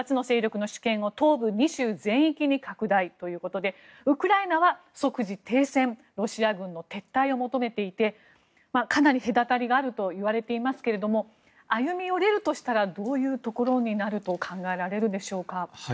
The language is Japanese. ２勢力の主権を東部２州全域に拡大ということでウクライナは即時停戦ロシア軍の撤退を求めていてかなり隔たりがあるといわれていますが歩み寄れるとしたらどういうところになると考えられるでしょうか？